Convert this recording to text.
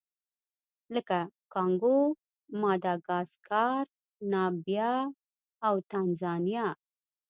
لکه کانګو، ماداګاسکار، نامبیا او تانزانیا.